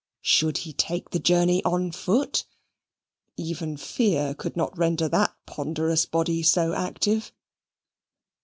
Should he take the journey on foot? Even fear could not render that ponderous body so active.